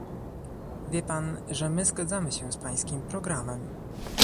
Wie pan, że my zgadzamy się z pańskim programem